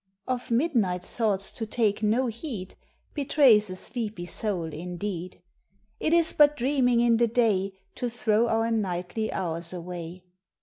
Of midnight thoughts to take no heed Betrays a sleepy soul indeed; It is but dreaming in the day, To throw our nightly hours away.